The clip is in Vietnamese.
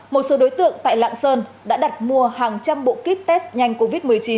một số đối tượng tại lạng sơn đã đặt mua hàng trăm bộ kit test nhanh covid một mươi chín